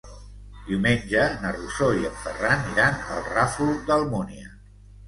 Diumenge na Rosó i en Ferran iran al Ràfol d'Almúnia.